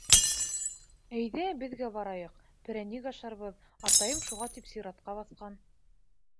— Әйҙә, беҙгә барайыҡ, перәник ашарбыҙ, атайым шуға тип сиратҡа баҫҡан.